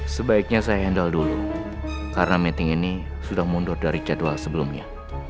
sebaiknya saya handle dulu karena meeting ini sudah mundur dari jadwal sebelumnya